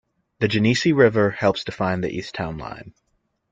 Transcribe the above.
The Genesee River helps define the east town line.